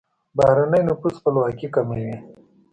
بهرنی نفوذ خپلواکي کموي.